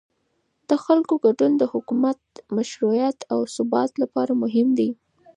د خلکو ګډون د حکومت د مشروعیت او ثبات لپاره مهم دی